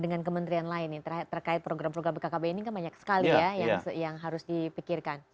dengan kementerian lain terkait program program bkkb ini kan banyak sekali ya yang harus dipikirkan